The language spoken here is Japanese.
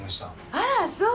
あらそう！